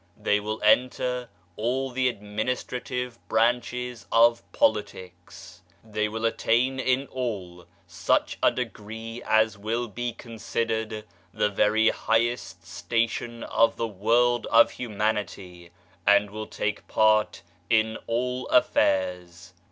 They will enter all the administrative branches of politics. They will attain in all such a degree as will be considered the very highest station of the world of humanity and will take part in all affairs.